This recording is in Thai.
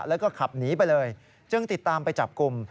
แล้วก็ขับหนีไปเลยจึงติดตามไปจับกลุ่ม